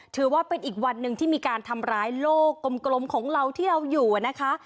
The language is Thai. ถือว่าเป็นอีกวันหนึ่งที่มีการทำร้ายโลกกลมของเราที่เราอยู่นะคะ